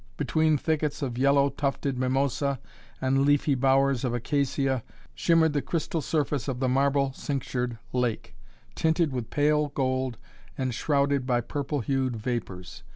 Between thickets of yellow tufted mimosa and leafy bowers of acacia shimmered the crystal surface of the marble cinctured lake, tinted with pale gold and shrouded by pearl hued vapors.